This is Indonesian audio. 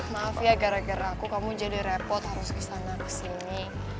maaf ya gara gara aku kamu jadi repot harus kesana kesini